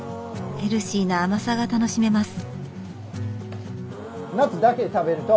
ヘルシーな甘さが楽しめます。